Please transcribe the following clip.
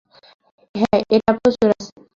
এটা প্রচুর আছে।